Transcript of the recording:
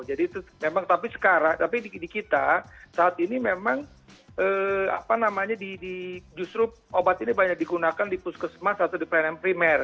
jadi itu memang tapi sekarang tapi di kita saat ini memang justru obat ini banyak digunakan di puskesmas atau di planem primer